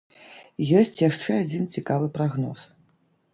Ёсць яшчэ адзін цікавы прагноз.